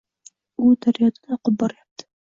U daryoda oqib boryapti.